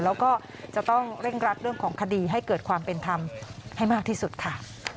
แล้วก็จะต้องเร่งรัดเรื่องของคดีให้เกิดความเป็นธรรมให้มากที่สุดค่ะ